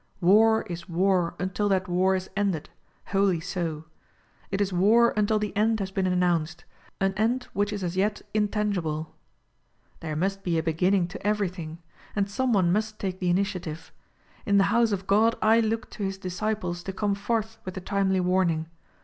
War is war until that war is ended, wholly so ; it is war until the end has been announced ; an end which is as yet intangible. There must be a beginning to everything; and some one must take the initiative. In the house of God I look to his disciples to come forth with the timely warning.